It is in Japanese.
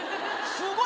すごい。